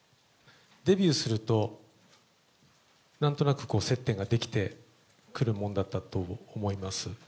デビューすると、なんとなく接点が出来てくるもんだったと思います。